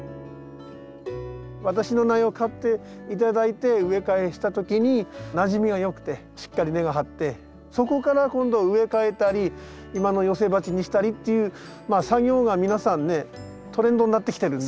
私の苗を買って頂いて植え替えした時になじみが良くてしっかり根が張ってそこから今度植え替えたり今の寄せ鉢にしたりっていう作業が皆さんねトレンドになってきてるんで。